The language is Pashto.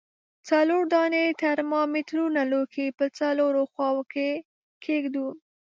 څلور دانې ترمامترونه لوښي په څلورو خواو کې ږدو.